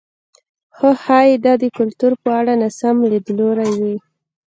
خو ښايي دا د کلتور په اړه ناسم لیدلوری وي.